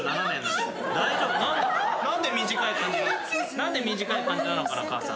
何で短い感じなのかな母さん。